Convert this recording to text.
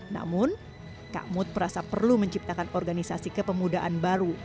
namun kak mut merasa perlu menciptakan organisasi kepemudaan baru